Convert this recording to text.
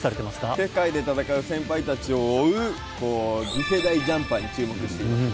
世界で戦う先輩たちを追う、次世代ジャンパーに注目していますね。